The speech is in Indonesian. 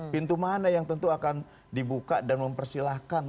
pintu mana yang tentu akan dibuka dan mempersilahkan